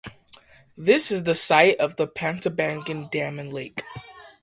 This is the site of the Pantabangan Dam and Lake.